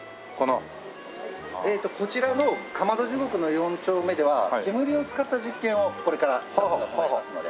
ええとこちらのかまど地獄の四丁目では煙を使った実験をこれからスタッフが行いますので。